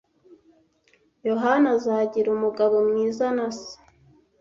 Yohana azagira umugabo mwiza na se.